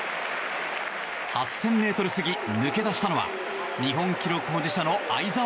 ８０００ｍ過ぎ、抜け出したのは日本記録保持者の相澤晃。